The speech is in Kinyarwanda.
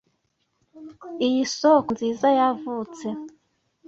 iyi soko nziza yavutse